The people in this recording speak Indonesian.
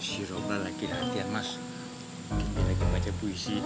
bih namanya si roomlah lagi latihan mas